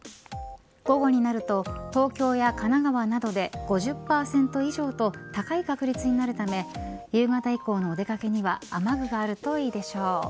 午後になると東京や神奈川などで５０％以上と高い確率になるため夕方以降のお出掛けには雨具があるといいでしょう。